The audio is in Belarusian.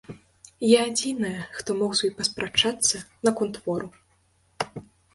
Я адзіная, хто мог з ёй паспрачацца наконт твору.